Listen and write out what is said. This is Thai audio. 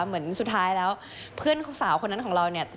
เหมือนสุดท้ายแล้วเพื่อนสาวคนนั้นของเราเนี่ย